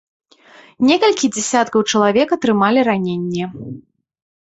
Некалькі дзесяткаў чалавек атрымалі раненні.